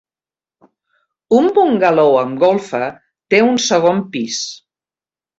Un bungalou amb golfa té un segon pis.